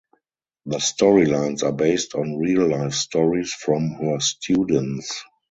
The storylines are based on real life stories from her students.